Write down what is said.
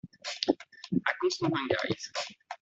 À Constantin Guys.